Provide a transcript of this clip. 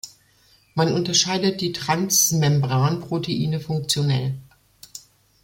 Man unterscheidet die Transmembranproteine funktionell.